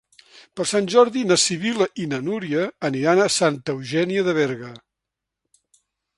Per Sant Jordi na Sibil·la i na Núria aniran a Santa Eugènia de Berga.